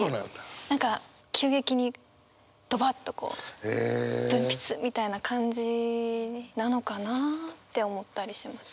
何か急激にドバッとこう分泌みたいな感じなのかな？って思ったりします。